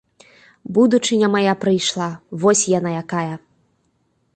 Будучыня мая прыйшла, вось яна якая!